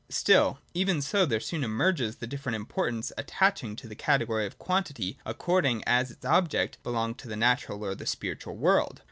Still even so, there soon emerges the different importance attaching to the category of quantity according as its objects belong to the natural or to the spiritual world.